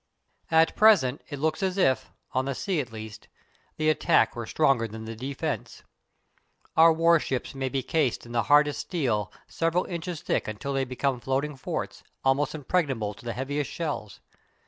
At present it looks as if, on the sea at least, the attack were stronger than the defence. Our warships may be cased in the hardest metal several inches thick until they become floating forts, almost impregnable to the heaviest shells.